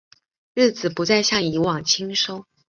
日子不再像以往轻松